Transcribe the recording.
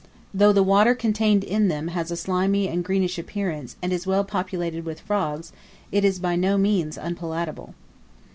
Though the water contained in them has a slimy and greenish appearance, and is well populated with frogs, it is by no means unpalatable.